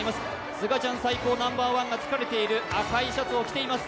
すがちゃん最高Ｎｏ．１が疲れている、赤いシャツを着ています。